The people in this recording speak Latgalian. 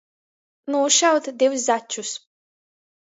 Nūšaut div začus.